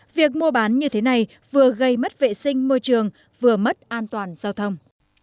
việc mua bán như thế này vừa gây mất vệ sinh môi trường vừa mất an toàn giao thông